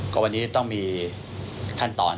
ก็วันนี้ต้องมีขั้นตอน